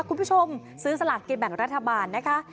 คุณผู้ชมซื้อสลากกินแบ่งรัฐบาลนะคะ